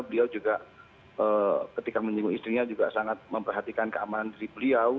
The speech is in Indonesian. beliau juga ketika menyinggung istrinya juga sangat memperhatikan keamanan diri beliau